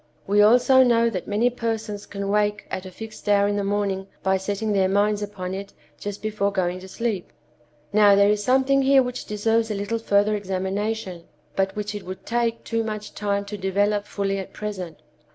(We also know that many persons can wake at a fixed hour in the morning by setting their minds upon it just before going to sleep.) Now, there is something here which deserves a little further examination, but which it would take too much time to develop fully at present.